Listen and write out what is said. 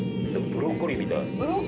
ブロッコリーみたい。